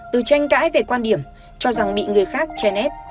từ tranh cãi về quan điểm cho rằng bị người khác che nét